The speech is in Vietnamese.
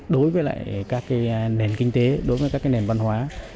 đối với lại các nền kinh tế đối với các nền văn hóa